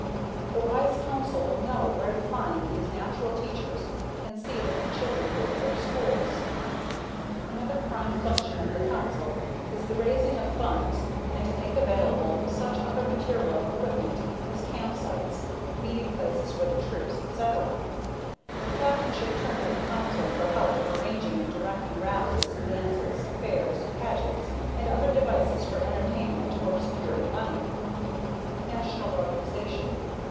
The wise council will know where to find these natural teachers and see that the children go to their schools. Another prime function of the Council is the raising of funds and to make available such other material equipment as camp sites, meeting places for the Troops, etc. The Captain should turn to the Council for help in arranging and directing rallies, dances, fairs, pageants and other devices for entertainment or securing money. _National Organization.